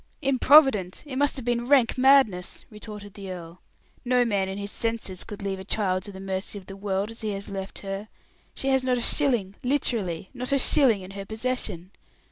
"Improvident! It must have been rank madness!" retorted the earl. "No man in his senses could leave a child to the mercy of the world, as he has left her. She has not a shilling literally, not a shilling in her possession.